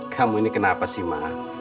kamu ini kenapa sih ma